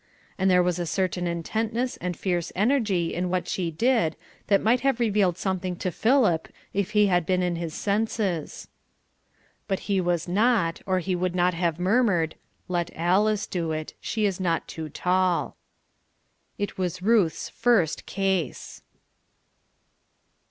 And there was a certain intentness and fierce energy in what she did that might have revealed something to Philip if he had been in his senses. But he was not, or he would not have murmured "Let Alice do it, she is not too tall." It was Ruth's first case.